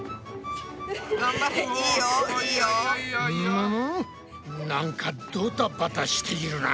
むむむなんかドタバタしているな。